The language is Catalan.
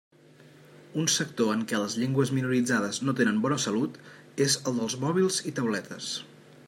Un sector en què les llengües minoritzades no tenen bona salut és el dels mòbils i tauletes.